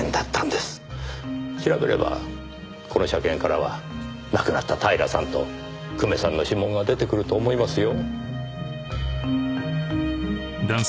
調べればこの車券からは亡くなった平さんと久米さんの指紋が出てくると思いますよ。